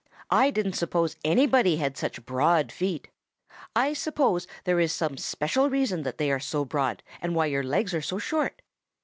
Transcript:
I didn't suppose anybody had such broad feet. I suppose there is some special reason why they are so broad and why your legs are so short.